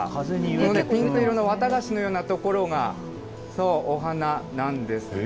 ピンク色の綿菓子のような所がそう、お花なんですね。